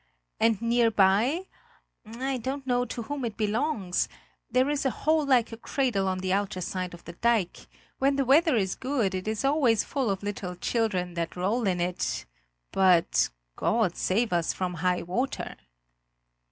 And near by I don't know to whom it belongs there is a hole like a cradle on the outer side of the dike; when the weather is good it is always full of little children that roll in it; but God save us from high water!"